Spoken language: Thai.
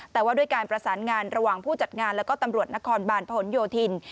แต่ว่าด้วยการประสานงานระหว่างผู้จัดงานแล้วก็ตำรวจนครบาลผลโยธิน